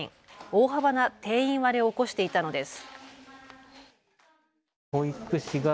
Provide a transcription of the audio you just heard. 大幅な定員割れを起こしていたのです。